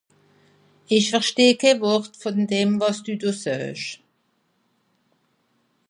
Ìch versteh kenn Wort vùn dem, wàs dü do saasch.